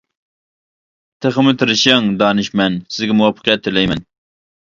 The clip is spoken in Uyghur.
تېخىمۇ تىرىشىڭ دانىشمەن، سىزگە مۇۋەپپەقىيەت تىلەيمەن!